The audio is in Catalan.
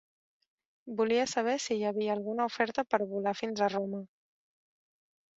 Volia saber si hi havia alguna oferta per volar fins a Roma.